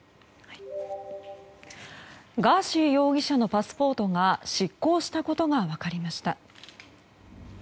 ガーシー容疑者のパスポートが失効したことが分かりました。